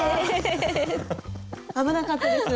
危なかったです。